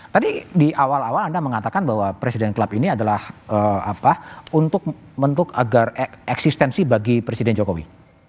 tadi di awal awal anda mengatakan bahwa presiden club ini adalah untuk agar eksistensi bagi presiden jokowi